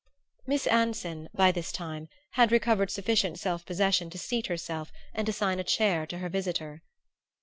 Miss Anson, by this time, had recovered sufficient self possession to seat herself and assign a chair to her visitor.